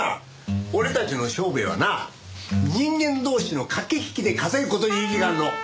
俺たちの商売はな人間同士の駆け引きで稼ぐ事に意義があるの。